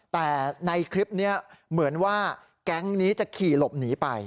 แต่ในคลิปนี้เหมือนว่าแก๊งนี้จะขี่หลบหนีไป